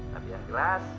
tapi yang jelas